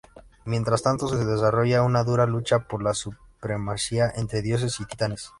Mientras tanto, se desarrolla una dura lucha por la supremacía entre dioses y titanes.